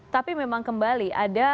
tapi memang kembali